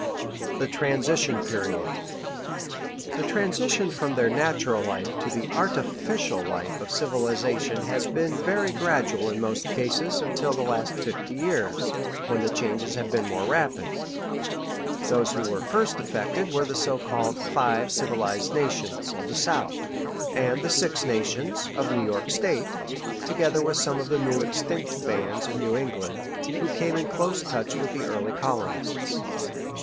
THE TRANSITION PERIOD The transition from their natural life to the artificial life of civilization has been very gradual in most cases, until the last fifty years, when the changes have been more rapid. Those who were first affected were the so called "Five Civilized Nations" of the South, and the "Six Nations" of New York State, together with some of the now extinct bands in New England, who came in close touch with the early colonists.